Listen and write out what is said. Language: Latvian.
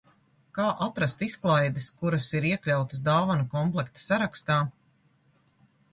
Kā atrast izklaides, kuras ir iekļautas dāvanu komplekta sarakstā?